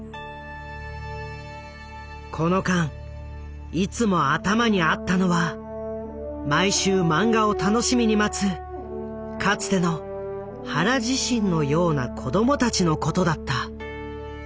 この間いつも頭にあったのは毎週漫画を楽しみに待つかつての原自身のような子供たちのことだった。